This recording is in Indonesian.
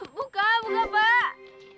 buka buka pak